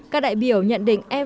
các đại biểu nhận định evfts